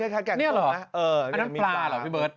ค่ะนี่หรออันนั้นปลาหรอพี่เบิ๊ด